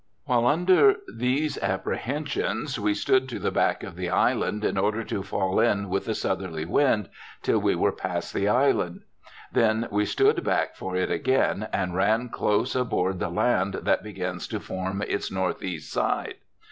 'While under these apprehensions we stood to the back of the island in order to fall in with the southerly wind till we were past the island ; then we stood back for it again, and ran close aboard the land that begins to form its NE. side.